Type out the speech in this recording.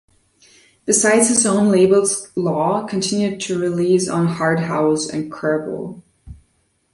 Besides his own labels Laux continued to release on "Harthouse" and "Kurbel".